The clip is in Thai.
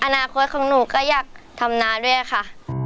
อนาคตของหนูก็อยากทำนาด้วยค่ะ